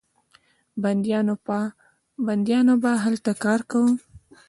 بندیانو به هلته کار کاوه.